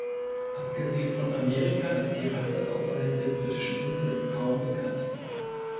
Abgesehen von Amerika ist die Rasse außerhalb der Britischen Insel kaum bekannt.